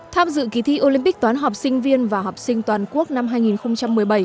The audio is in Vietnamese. tham dự kỳ thi olympic toán học sinh viên và học sinh toàn quốc năm hai nghìn một mươi bảy